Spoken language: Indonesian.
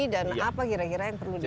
dan apa kira kira yang perlu dilakukan